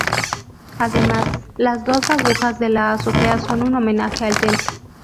Además, las dos agujas de la azotea son un homenaje al templo.